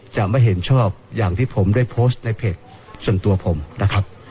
จะไม่เห็นชอบอย่างที่ผมได้โพสต์ในเพจส่วนตัวผมนะครับ